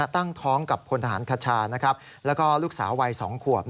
ตั้งท้องกับพลทหารคชาแล้วก็ลูกสาววัย๒ขวบ